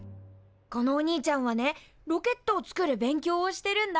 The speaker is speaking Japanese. このおにいちゃんはねロケットをつくる勉強をしてるんだ。